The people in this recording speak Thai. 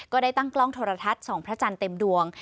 ก็ได้ตั้งกล้องโทรทัศน์ส่องพระจันทร์เต็มดวง